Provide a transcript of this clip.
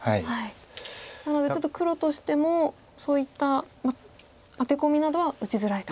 なのでちょっと黒としてもそういったアテコミなどは打ちづらいと。